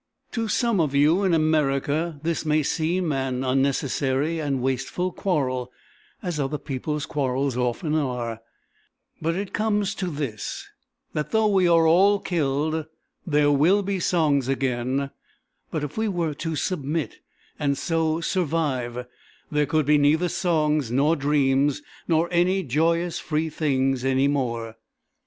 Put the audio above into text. To some of you in America this may seem an unnecessary and wasteful quarrel, as other people's quarrels often are; but it comes to this that though we are all killed there will be songs again, but if we were to submit and so survive there could be neither songs nor dreams, nor any joyous free things any more.